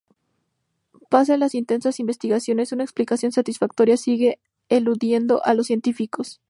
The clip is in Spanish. Pese a las intensas investigaciones, una explicación satisfactoria sigue eludiendo a los científicos.